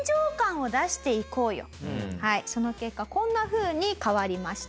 その結果こんなふうに変わりました。